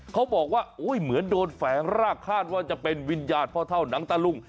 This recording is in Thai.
เขาบอกว่าเหมือนโดนแฝงรากคาดว่าจะเป็นวิญญาณพ่อเท่าหนังตะลุง